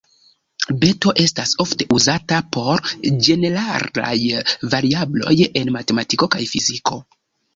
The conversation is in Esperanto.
Beto estas ofte uzata por ĝeneralaj variabloj en matematiko kaj fiziko.